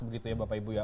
begitu ya bapak ibu ya